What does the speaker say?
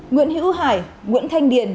nguyễn hữu hải nguyễn thanh điền